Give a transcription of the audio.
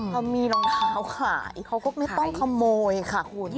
เขามีรองเท้าขายเขาก็ไม่ต้องขโมยค่ะคุณ